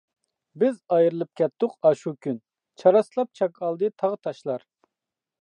بىز ئايرىلىپ كەتتۇق ئاشۇ كۈن، چاراسلاپ چاك ئالدى تاغ-تاشلار.